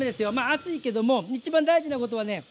熱いけども一番大事なことはね